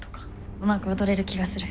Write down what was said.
うまく踊れる気がする。